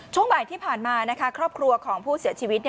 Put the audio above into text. ช่วงบ่ายที่ผ่านมาครอบครัวของผู้เสียชีวิต